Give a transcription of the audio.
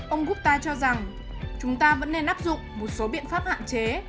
ông gutta cho rằng chúng ta vẫn nên áp dụng một số biện pháp hạn chế